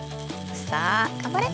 さあ頑張れ！